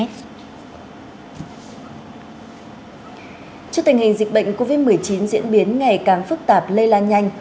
trước tình hình dịch bệnh covid một mươi chín diễn biến ngày càng phức tạp lây lan nhanh